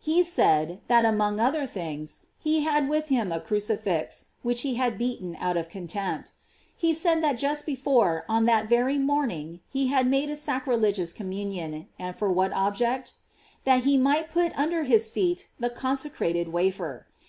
He said, that among other things, he had with him a crucifix, which he had beaten out of contempt. He said that just before, on that very morning, he had made a sacrilegious communion, and for what object? That he might put under his feet the consecrated wafer.